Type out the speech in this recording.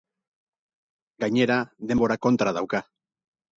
Gainera, denbora kontra dauka.